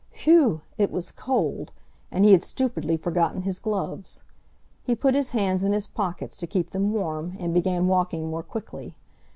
Whew! it was cold; and he had stupidly forgotten his gloves. He put his hands in his pockets to keep them warm, and began walking more quickly.